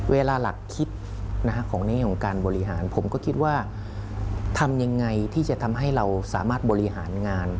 เวลาหลักคิดของในของการบริหารผมก็คิดว่าทำยังไงที่จะทำให้เราสามารถบริหารงาน